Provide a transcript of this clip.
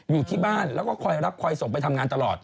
อยู่ที่บ้านแล้วก็คอยรับคอยส่งไปทำงานตลอด